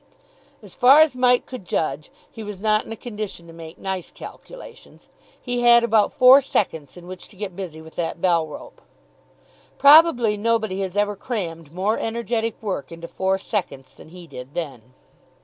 As far as Mike could judge he was not in a condition to make nice calculations he had about four seconds in which to get busy with that bell rope. Probably nobody has ever crammed more energetic work into four seconds than he did then.